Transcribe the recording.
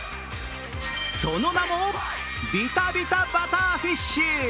その名も、びたびたバターフィッシュ。